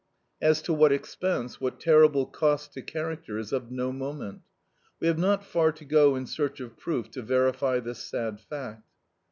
As to what expense, what terrible cost to character, is of no moment. We have not far to go in search of proof to verify this sad fact.